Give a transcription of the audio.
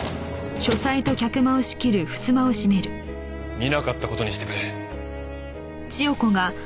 見なかった事にしてくれ。